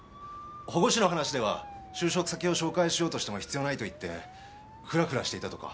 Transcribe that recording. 保護司の話では就職先を紹介しようとしても必要ないと言ってフラフラしていたとか。